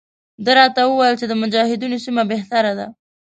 ده راته وویل چې د مجاهدینو سیمه بهتره ده.